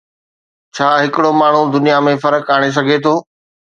ڇا ھڪڙو ماڻھو دنيا ۾ فرق آڻي سگھي ٿو؟